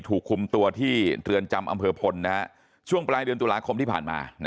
ถูกคุมตัวที่เรือนจำอำเภอพลช่วงปลายเดือนตุลาคมที่ผ่านมา